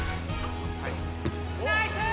ナイス！